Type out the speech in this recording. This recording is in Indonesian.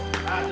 ah simp lah